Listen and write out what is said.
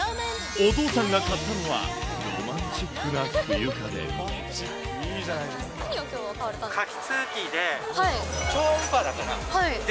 お父さんが買ったのは、ロマンチックな冬家電。